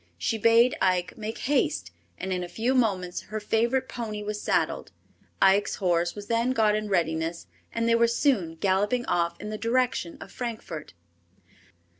She bade Ike make haste, and in a few moments her favorite pony was saddled. Ike's horse was then got in readiness, and they were soon galloping off in the direction of Frankfort.